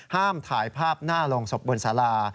ห้ามถ่ายภาพหน้าโรงศพบนสารา